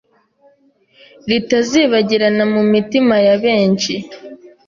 ritazibagirana mu mitima ya benshi